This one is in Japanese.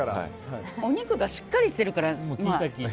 お肉がしっかりしてるから。